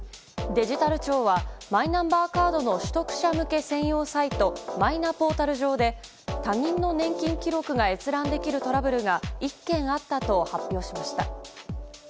デジタル庁はマイナンバーカードの取得者向け専用サイトマイナポータル上で他人の年金記録が閲覧できるトラブルが１件あったと発表しました。